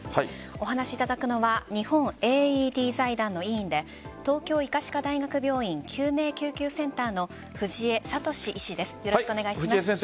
お話しいただくのは日本ＡＥＤ財団の委員で東京医科歯科大学病院救命救急センターの藤江聡氏です。